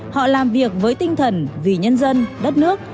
họ làm việc với tinh thần vì nhân dân đất nước